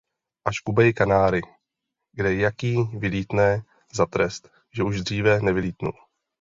A škubej kanáry, kde jaký vylítne, za trest, že už dříve nevylítnul.